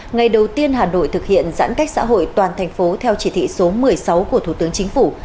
ngày đầu tiên hà nội thực hiện giãn cách xã hội toàn thành phố theo chỉ thị số một mươi sáu của thủ tướng chính phủ